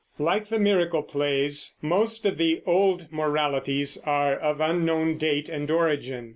Like the Miracle plays, most of the old Moralities are of unknown date and origin.